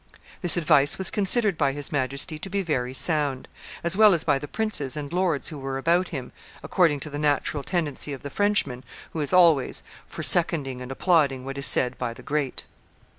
This advice was considered by his Majesty to be very sound, as well as by the princes and lords who were about him, according to the natural tendency of the Frenchman, who is always for seconding and applauding what is said by the great.